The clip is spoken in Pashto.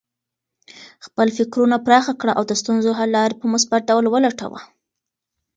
خپل فکرونه پراخه کړه او د ستونزو حل لارې په مثبت ډول ولټوه.